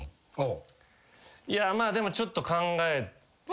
いやまあでもちょっと。